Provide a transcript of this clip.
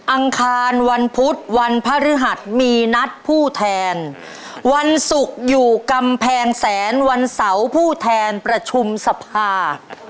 อังคารวันพุธวันพฤหัสมีนัดผู้แทนวันศุกร์อยู่กำแพงแสนวันเสาร์ผู้แทนประชุมสภา